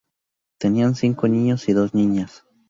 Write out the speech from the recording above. Tenían cinco niños y dos niñas.